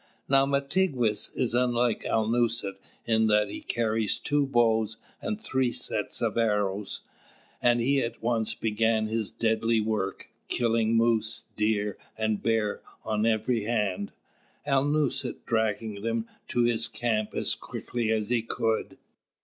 Now Mātigwess is unlike Alnūset in that he carries two bows and three sets of arrows; and he at once began his deadly work, killing Moose, Deer, and Bear on every hand, Alnūset dragging them to his camp as quickly as he could.